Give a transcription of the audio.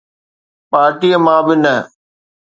Party مان به نه.